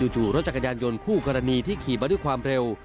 จู่รถจักรยานยนต์คู่กรณีที่ขี่มาด้วยความเร็ว